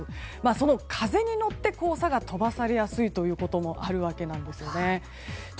その風に乗って黄砂が飛ばされやすいこともあるわけですね。